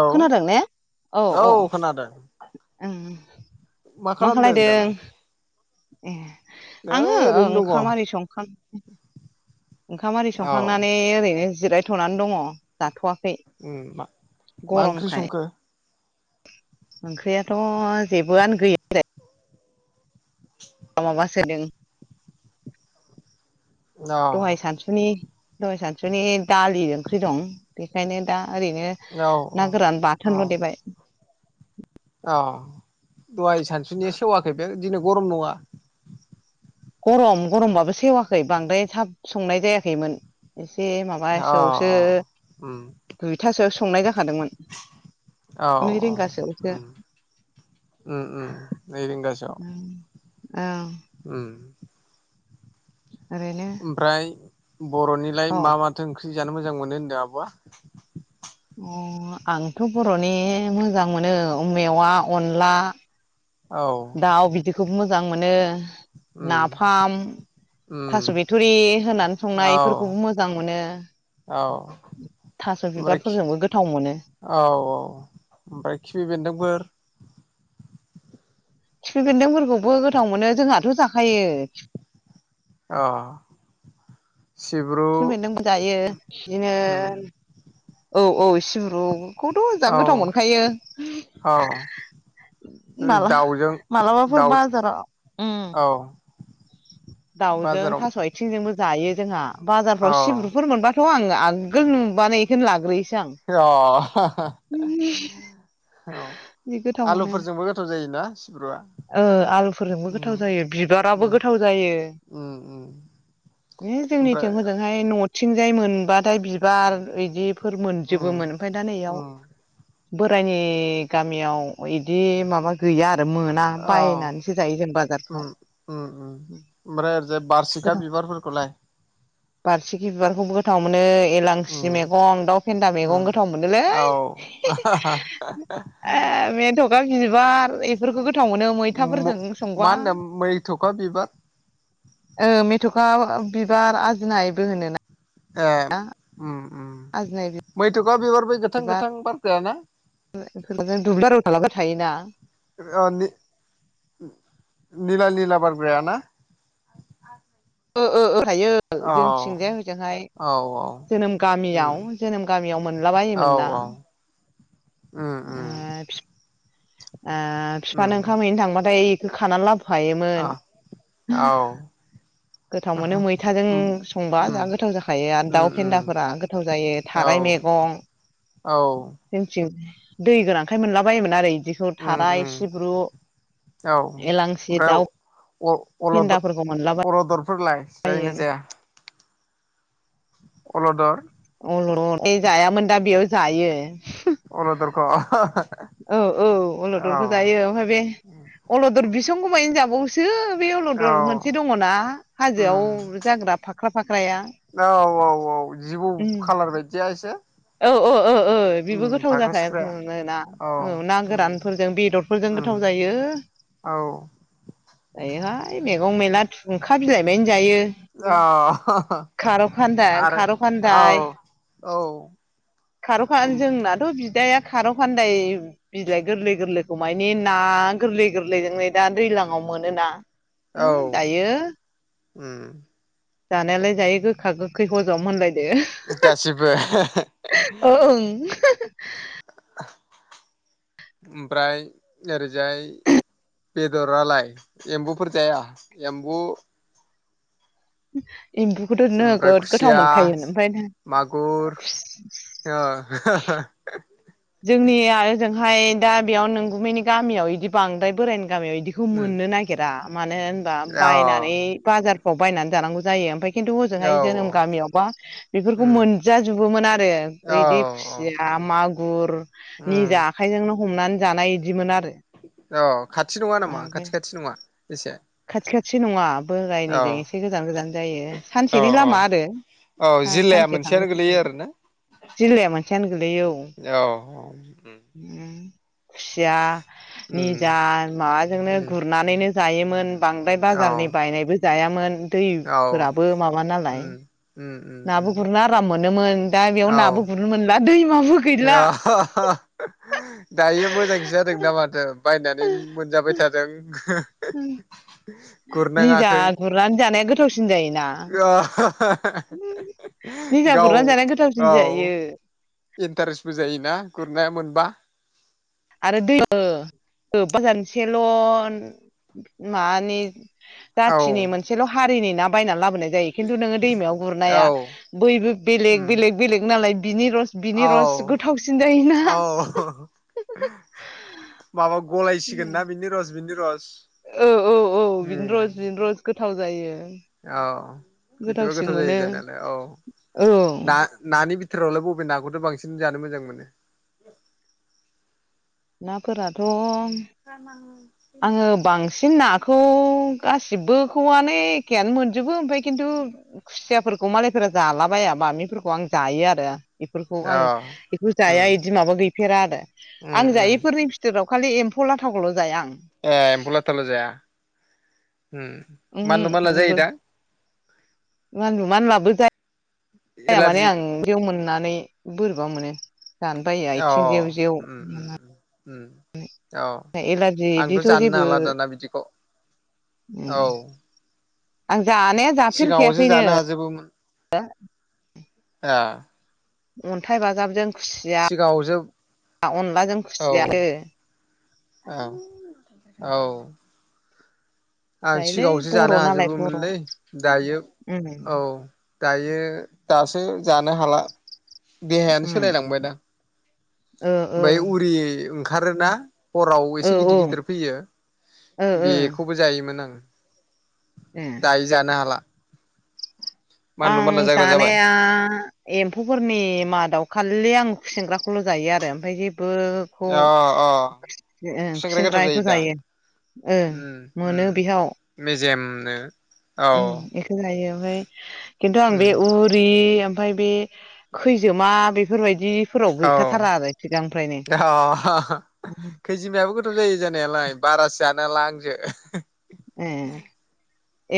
औ खोनादों ने औ औ ओं मा खालामदों खालायदों दालाय ए नै आङो ओरैनो दङ ओंखाम आरि संखां ओंखाम आरि औ संखांनानै ओरैनो जिरायथ'नानै दङ जाथ'वाखै उ मा ओंख्रि गरमखाय संखो? ओंख्रियाथ' जेबोआनो गैयालाय औ दहाय सानसुनि दहाय सानसुनि दालि ओंख्रि दं बेखायनो दा ओरैनो औ औ ना गोरान औ बाथोनल' देबाय औ दहाय सानसुनिया सेवाखै बे दिनै गरम नङा गरम गरमबाबो सेवाखै बांद्राय थाब संनाय जायाखैमोन एसे अ माबासोआवसो उम दुइथासोआवसो संनाय जाखादोंमोन नै रिंगासोआवसो उ उ नै रिंगासोआव ओं औ उम ओरैनो ओमफ्राय बर'निलाय औ मा माथो ओं -ख्रि जानो मोजां मोनो होनदों आब'आ अ आंथ' बर'नि मोजां मोनो मेवा अनला औ दाउ बिदिखौबो मोजां मोनो उम नाफाम उम थास' बिथुरि होनानै संनाय औ बेफोरखौबो मोजां मोनो औ थास' ओमफ्राय बिबारफोरजोंबो गोथाव मोनो औ औ ओमफ्राय खिफि बेन्दोंफोर खिफि बेेन्दोंफोरखौबो गोथाव मोनो जोंहाथ' जाखायो अ सिब्रु खिफि बेन्दोंखौ जायो बिदिनो उम औ औ सिब्रु खौथ' जा औ गोथाव मोनखायो औ मा दाउजों मालाबाफोर दाउ बाजाराव उम औ दाउजों बाजाराव थास' आइथिंजोंबो जायो जोंहा औ बाजारफ्राव सिब्रुफोर मोनबाथ' आङ आगोल नुबानो बेखौनो लाग्रोयोसो आं अ औ जि गोथाव मोनो आलुफोरजोंबो गोथाव जायोना सिब्रुआ ओ आलुफोरजोंबो गोथाव उम जायो बिबाराबो उम उम गोथाव गोथाव जायो उम जोंनिथिं ओमफ्राय हजोंहाय न' थिंजाय मोनबाथाय बिबार बिदि फोरा उम मोनजोबोमोन ओमफ्राय दा नैयाव उम बोराइनि गा गामियाव बिदि माबा गैया आरो आरो मोना औ बायनानैसो जायो जों बाजारफ्राव उम उम उम ओमफ्राय ओरैजाय बारसिखा गोथाव बिबारफोरखौलाय बारसिखि बिबारखौबो गोथाव मोनो। उम एलांसि मैगं दाउ फेन्दा उम मैगं गोथाव मोनोलै। औ मेथखा बिबार बेफोरखौ गोथाव मोनो मैथाफोरजों मा संबा होनदों मैथ'खा बिबार ओ मेथ'खा बिबार आजिनायबो होनोना ए। उम आजोनाय। [unintelligible] गोथां गोथां बारग्रायाना। [unintelligible] थायोना? अ नि निला निला बारग्रायाना? ओ ओ ओ हायो औ जोंथिंजाय ओजोंहाय। औ औ जोनोम उम गामियाव जोनोम गामियाव औ मोनलाबायोमोनना औ उम ओ उम फिफ ओ फिफानो उम ओंखाम हैनो थांबाथाय इख खानानै लाब आ फायोमोन। औ गोथाव मोनो मैथाजों उम संबा उम जा गोथाव जाखायो आरो उम दाउ उम फेन्दाफोरा गोथाव जायो औ थाराय मे--। मैगं औ। जोंथिं दै गोनांखाय मोनला बायोमोन आरो इदिखौ उम थाराय उम सिब्रु। औ एलांसि ओमफ्राय दाउ अ फेन्दाफोरखौ मोनलाबायो अलद-अलदर फोरलाय जायोन जाया? अल'दर [unintelligible] जायामोन दा बेयाव जायो । अलदरख' [unintelligible] औ औ अलदरखो जायो ओमफाय बे अलदर बिसंखौ मानि जाबावोसो। बै औ अलदर मोनसे दङ'ना उम हाजोआव जाग्रा फाख्रा फाख्राया। औ औ औ जिबौ खालार बायदिया इसे। औ औ औ। ओ बिबो गोथाव जाखाया सिख्रा [unintelligible] ना औ ना उम गोरानफोरजों बेदरफोरजों उम गोथाव जायो। औ। जायोहाय मैगं मैला थुंखा बिलाइ मानिजायो। अ खार'खान्दा आरो औ खार'खान्दाइ औ खार'खा उम जोंनाथ'। बिदाया खारौ फानदाय बिलाइ गोरलै गोरलैखौ मानि ना गोरलै गोरलैजोंनो। दा दैलाङाव मोनोना औ ओ दायो। उम जानायालाय जायो गोखा गोखै हज'म होनलाय। गासिबो ओ ओं [unintelligible] [inaudible] ओमफ्राय ओरैजाय। बेदरालाय एमबुफोर जाया एमबु? एमबुखौथ' ओमफ्राय नोगोद गोथाव खुसिया मोनखायो ओमफाय मागुर खुस [unintelligible] जोंनिया ओजोंहाय दा बेयाव नोंगुमैनि गामियाव इदि बांद्राय बोराय गामियाव इदिखौ उम मोननो नागिरा मानो होनबा अ औ बायनानै बाजार। बायनानै जानांगौ जायो ओमफाय। खिन्थु हजोंहाय औ जोनोम गामियावबा बेफोरखौ उम मोनजाजोबोमोन आरो औ इदि खुसिया मा गुर उम निजा आखाइजोंनो हमनानै जानाय इदिमोन आरो। औ खाथि नङा नामा ओमफ्राय खाथि खाथि नङा बेसे खाथि खाथि नङा बोरायनिजों इसे गोजान गोजान जायो औ सानसेनि औ लामा आरो। औ जिल्लाया सानसे थांलाय मोनसेयानो गोलैयो फैलाय आरोना। जिल्लाया मोनसेयानो गोलैयो औ । खुसिया निजा उम माबाजोंनो उम गुरनानैनो जायोमोन बांद्राय औ बाजारनि बायनायबो जायामोन औ दैफोराबो माबा नालाय उम उम उम उम नाबो गुरनो आराम मोनोमोन दा औ बेयाव नाबो गुरनो मोनला दैमाबो गैला दायो मोजांसो जादोंदा माथो बायनानै मोनजाबाय थादों निजा गुरनाङाखै गुरनानै जानाया गोथावसिन जायोना निजा गाव गुरनानै जानाया गोथावसिन औ जायो इन्टारेस्टबो जायोना ना गुरनाया मोनबा आरो दै [unintelligible] मानि औ जाथिनि मोनसेल' हारिनि ना बायनानै लाबोनाय जायो खिन्थु नोङो दैमायाव औ गुरनाया बैबो बेलेग उम बेलेग बेलेग नालाय बिनि रस औ बिनि रस गोथावसिन जायोना औ माबा गलायसिगोन ना बिनि रस बिनि रस औ औ औ बिनि उम रस बिनि रस गोथाव जायो औ बिदिबा गोथावसिन गोथाव जायो मोनो जानायालाय औ औ ना ना नि बिथोरावलाय बबे नाखौथ' बांसिन जानो मोजां मोनो नाफोराथ' [unintelligible] आङो बांसिन नाखौ गासिबोखौआनो एखेयानो मोनजोबो ओमफ्राय खिन्थु खुसियाफोरखौ मालायफोरा जाला बाया बामिफोरखौ आं जायो आरो बेफोरखौ अ आं बेखौ उम जाया बिदि माबा गैफेरा आरो उम आं उम जायैफोरनि बिथोराव खालि एम्फौ लाथाखौल' जाया आं ए एम्फौ लाथाल' जाया मानलु उमहो मानला जेबो जायो दां मानलु मानलाबो जा या माने एलारजि आं बेयाव मोननानै बोरैबा मोनो जानो बायो अ आथिं जेव जेव उम उम औ एलारजि आंथ' इदिथ' जाननो जेबो हाला दाना बिदिखौ उम औ आं जानाया सिगाङावसो जाफेरखायाखैनो जानो हाजोबोमोन आ अन्थाइ बाजाबजों खुसिया सिगाङावसो अनलाजों औ खुसियानो औ औ आं जायोलै सिगाङावसो बर' जानो नालाय बर' हाजोबोमोनलै दायो उम औ दायो दासो जानो हाला देहायानो उम सोलायलांबायदां ओ ओ ओमफ्राय उरि ओंखारोना हराव औ एसे गिदिर गिदिर फैयो औ ओ ओ बेखौबो जायोमोन आं ए दायो जानो हाला मानलु मानला आं जाग्रा जाबाय जानाया एम्फौफोरनि मादाव खालि आं खुसेंग्राखौल' जायो आरो ओमफ्राय जे बोखौ अ अ खुसेंग्राया गोथाव खुसेंग्रा बेखौ दा जायो ओ उम उम मोनो बेयाव मेजेमनो औ उम बेखौ जायो ओमफाय खिन्थु आं उम बे उरि ओमफ्राय बे खैजोमा बेफोरबायदिफोराव औ गैखाथारा आरो थिगा खैजिमायाबो गोथाव जायो जानायालाय बारासो जानो हाला आङो ए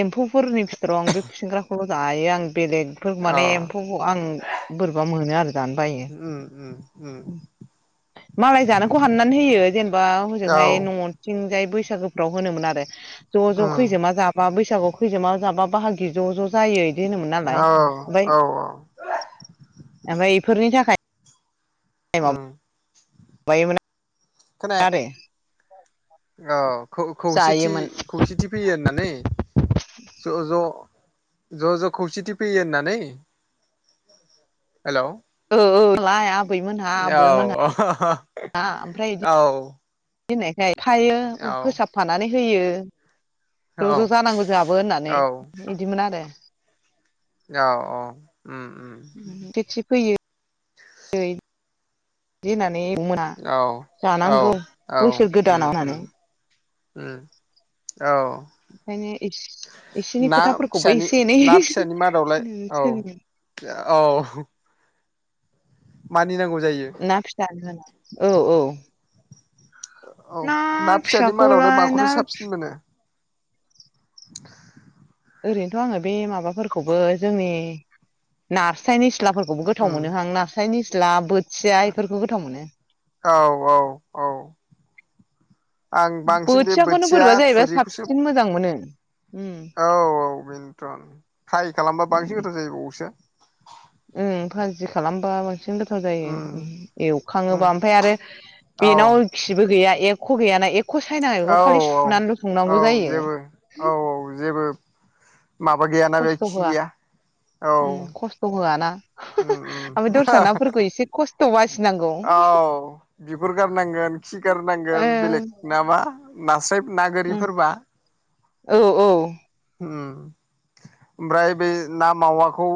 एम्फौफोरनि बिथोराव आं बे खुसेंग्राखौल' जायो आं बेलेगफोर अ माने एम्फौखौ आं बोरैबा मोनो आरो जानो बायो उम उम उम मालाय जानायखौ हाननानै होयो जेनेबा औ हजोंहाय न'थिंजाय बैसागाफ्राव होनोमोन आरो ज' ज' उम खैजा जाबा बैसागु खैजा जाबा बाय बाहागि ज' ज' जायो बिदि होनोमोन औ नालाय ओमफ्राय औ ओमफ्राय बेफोरनि थाखाय उम श खोनाया [unintelligible] औ खौ खौसेथि खौसेथि फैयो होननानै ज' ज' ज' ज' खौसेथि फैयो होननानै हेल' ओलाय [unintelligible] आबैमोनहा औ आबौमोनहा ओमफ्राय औ बिदि थैनायखाय खायो फोसाबफानानै होयो ज' औ ज' औ जानांगौ जोंहाबो होननानै बिदिमोन आरो औ औ उम खेथि फैयो बि होननानै [unintelligible] मोना औ औ जानांगौ औ बोसोर उम गोदानाव होननानै उम औ ओंखायनो एसेनि ना खोथाफोरखौबो फिसानि एसे एनै ना फिसानि मादावलाय औ सोलोङो औ मा ना फिसानो होना औ औ औ ना फिसानि मादावलाय फिसाखौलाय ना माखौथ' साबसिन मोनो? [inaudible] ओरैनोथ' आङो बे माबाफोरखौबो जोंनि नास्रायनि सिथ्लाफोरखौबो गोथाव उम मोनोहां नास्रायनि सिथ्ला ब सियाफोरखौ गोथाव मोनो औ औ औ आं बांसिन बे बोथियाखौनो बोथिया बोरैबा जाहैबाया थुरिखौसो साबसिन मोजां मोनो। उम औ औ मोजांथ' फ्राय खालामबा बांसिन गोथाव जायो बबावसो उ भाजि खालामबा बांसिन गोथाव उम जायो उम एवखाङोबा ओमफ्राय आरो औ बेनाव खिबो गैया ए ख' गैयाना एख' सायनाा बेखौ औ खालि सुनानै औ लुफुंनांगौ जायो। जेबो औ औ जेबो माबा गैयाना बे खस्थ' खि होआ गैया। औ उम खस्थ' होआना ओमफ्राय दस्रा नाफोरखौ एसे खस्थ' बासिनांगौ ओ औ बिगपर गारनांगोन खि गारनांगोन बेलेग नामा नास्राय ना उम गोरिफोरबा औ औ उम ओमफ्राय बे ना मावाखौ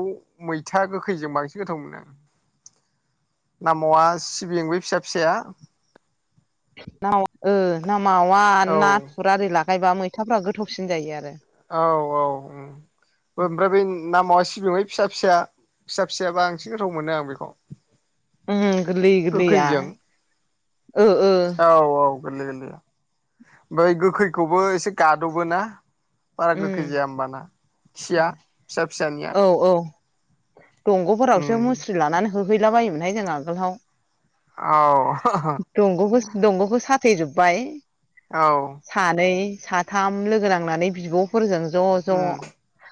मैथा गोखैजों बांसिन गोथाव मोनो आ नामावा सिबिं बे फिसा फिसाया न ना मावा औ नाथुर आरि लागायब्लाा मैथाफ्रा गोथावसिन जायो आरो औ औ ओमफ्राय बे नामावा सिबिंहै फिसा फिसा फिसा फिसायाबा बांसिन गोथाव मोनो आं बेखौ उम गोरलै गोरलैया गोखैजों ओ ओ औ औ गोरलै गोरलै ओमफ्राय गोखैखौबो एसे गाद'बो ना बारा गोखै उम जाया होमबाना खिया फिसा फिसानिया औ औ दंग'फोरावसो उम मुस्रि लानानै होहैला बायोमोनहाय जों आगोलाव औ दंगखौ दंगखौ स थेजोब्बाय औ सानै साथाम लोगो नांनानै बिब'फोरजों ज' ज' उम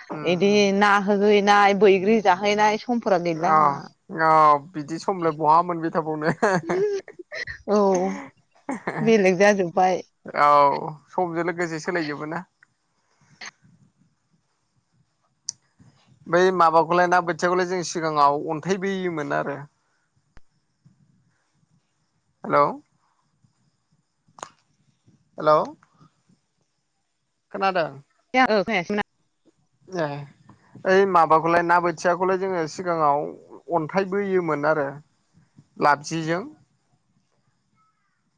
उम बिदि उम ना होहैनाय बैग्रि जाहैनाय समफोरा गैला अ अ बिदि समलाय बहा मोनबाय थाबावनो औ बेलेग जाजोब्बाय समजों लोगोसे सोलायजोबो ना बै माबाखौलाय ना बोथियाखौलाय जों सिगाङाव अन्थाइबोयोमोन आरो [inaudible] हेल' हेल' खोनादों ए औ जायासै ना [unintelligible] ए ओइ माबाखौलाय ना बोथियाखौलाय जोङो सिगाङाव अन्थाइ बोयोमोन आरो लाबजिजों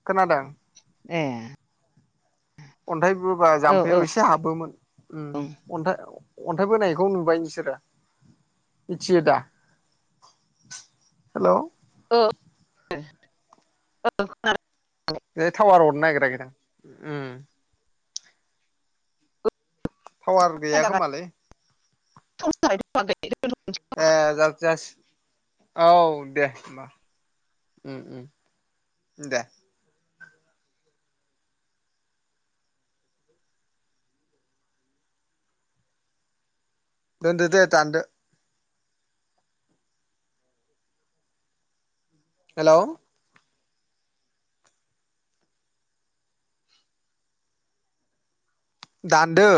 खोनादों ए अन्थाइबोबा औ जाम्फैयाव एसे हाबोमोन अन्थाइ अन्थाइ बोनायखौ नुबाय नोंसोरो मिथियो दा हेल' औ औ बे टावार अरनो नागिराखैदां टावार गैया ओं खोमालै ए जाबाय‌ जासि औ दे होमबा उम उम दे दोन्दो दे दानदो हेल' दान्दो